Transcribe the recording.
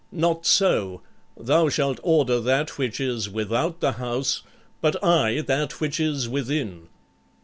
"Not so: thou shalt order that which is without the house, but I that which is within."